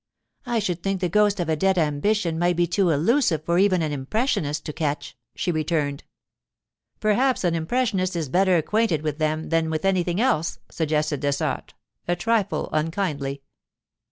'I should think the ghost of a dead ambition might be too illusive for even an impressionist to catch,' she returned. 'Perhaps an impressionist is better acquainted with them than with anything else,' suggested Dessart, a trifle unkindly.